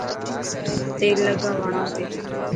تيل لگا واڙاتي.